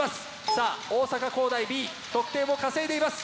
さあ大阪公大Ｂ得点を稼いでいます。